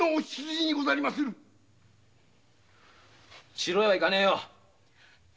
城へは行かねえよ。